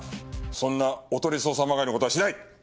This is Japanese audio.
そんなおとり捜査まがいの事はしない！